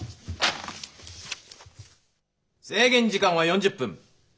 制限時間は４０分。